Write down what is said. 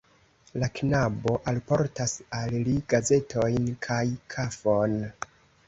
La knabo alportas al li gazetojn kaj kafon.